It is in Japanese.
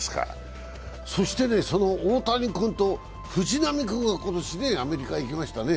その大谷君と、藤浪君が今年アメリカ行きましたね。